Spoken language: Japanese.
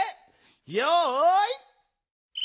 よい。